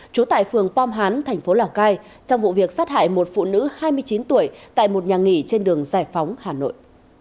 trú tại phường pom hán thành phố lào cai trong vụ việc sát hại một phụ nữ hai mươi chín tuổi tại một nhà nghỉ trên đường giải phóng hà nội